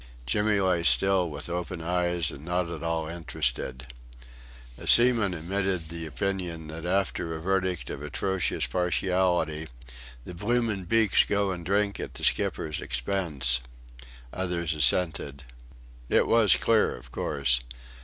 Jimmy lay still with open eyes and not at all interested. A seaman emitted the opinion that after a verdict of atrocious partiality "the bloomin' beaks go an' drink at the skipper's expense." Others assented. It was clear, of course.